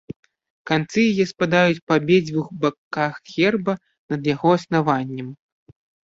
Канцы яе спадаюць па абедзвюх баках герба над яго аснаваннем.